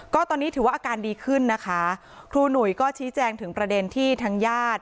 ก็ตอนนี้ถือว่าอาการดีขึ้นนะคะครูหนุ่ยก็ชี้แจงถึงประเด็นที่ทางญาติ